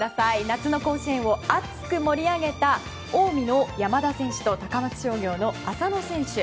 夏の甲子園を熱く盛り上げた近江の山田選手と高松商業の浅野選手。